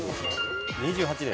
２８年。